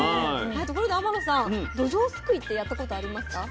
ところで天野さんどじょうすくいってやったことありますか？